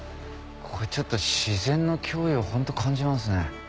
これちょっと自然の驚異をホント感じますね。